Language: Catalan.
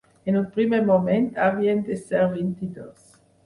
En un primer moment havien de ser vint-i-dos.